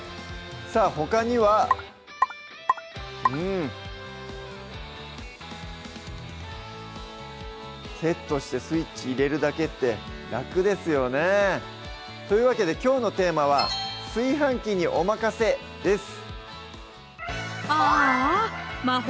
さぁほかにはうんセットしてスイッチ入れるだけって楽ですよねというわけできょうのテーマは「炊飯器におまかせ」です